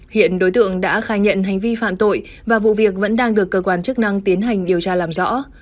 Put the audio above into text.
hiện đối tượng đã khai nhận hành vi phạm tội và vụ việc vẫn đang được cơ quan chức năng tiến hành điều tra làm rõ